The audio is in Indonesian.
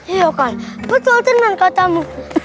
iya kan betul tenang katamu